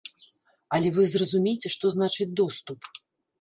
Але вы зразумейце, што значыць доступ.